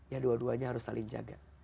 ya dua duanya harus saling jaga